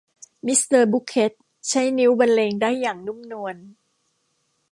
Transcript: มิสเตอร์บุคเค็ทใช้นิ้วบรรเลงได้อย่างนุ่มนวล